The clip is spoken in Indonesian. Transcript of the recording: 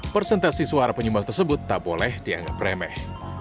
presentasi suara penyumbang tersebut tak boleh dianggap remeh